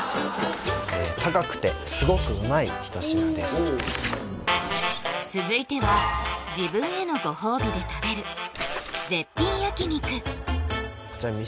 高くてすごくうまい一品です続いては自分へのご褒美で食べる絶品焼き肉